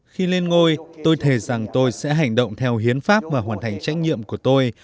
khi lên ngôi tôi thề rằng tôi sẽ hành động theo hiến pháp và hoàn thành trách nhiệm của tôi